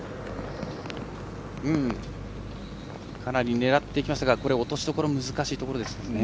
かなり狙っていきましたがこれは落としどころが難しいところですね。